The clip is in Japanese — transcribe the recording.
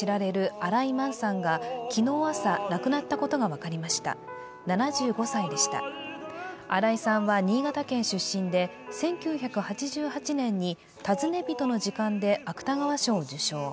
新井さんは新潟県出身で、１９８８年に「尋ね人の時間」で芥川賞を受賞。